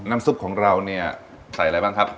ซุปของเราเนี่ยใส่อะไรบ้างครับ